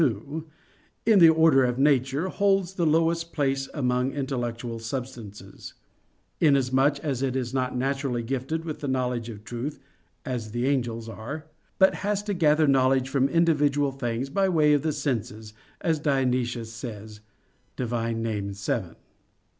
2) in the order of nature, holds the lowest place among intellectual substances; inasmuch as it is not naturally gifted with the knowledge of truth, as the angels are; but has to gather knowledge from individual things by way of the senses, as Dionysius says (Div. Nom. vii).